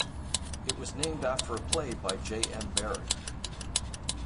It was named after a play by J. M. Barrie.